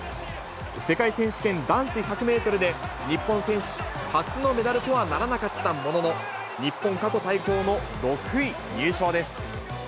世界選手権男子１００メートルで、日本選手初のメダルとはならなかったものの、日本過去最高の６位入賞です。